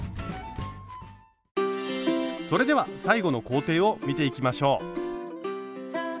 それでは最後の工程を見ていきましょう。